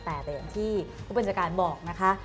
แต่อย่างที่ผู้บัญชาการบอกนะคะ